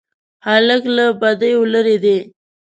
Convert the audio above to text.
هلک له بدیو لیرې دی.